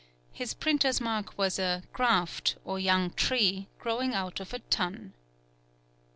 His printer's mark was a graft, or young tree, growing out of a tun.